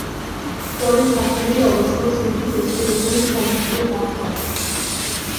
পরের সপ্তাহেই অবশ্য সিডনি টেস্টে উভয়েই খেলার সুযোগ লাভ করেন।